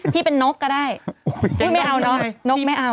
พี่เป็นนกก็ได้พี่ไม่เอาเนอะนกไม่เอา